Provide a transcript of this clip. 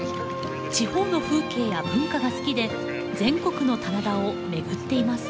地方の風景や文化が好きで全国の棚田を巡っています。